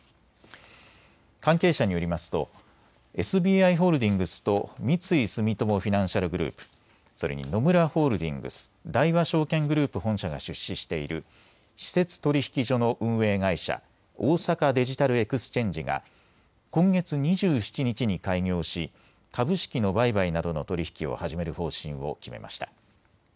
関係者によりますとＳＢＩホールディングスと三井住友フィナンシャルグループ、それに野村ホールディングス、大和証券グループ本社が出資している私設取引所の運営会社、大阪デジタルエクスチェンジが今月２７日に開業し株式の売買などの取り引きを始める方針を決めました。